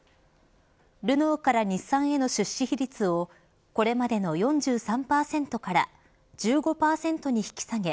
ルノーから日産への出資比率をこれまでの４３％から１５％に引き下げ